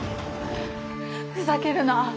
ふざけるな。